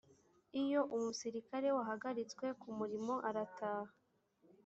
iyo umusirikare wahagaritswe ku murimo arataha.